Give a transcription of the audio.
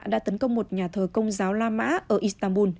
đã tấn công một nhà thờ công giáo la mã ở istanbul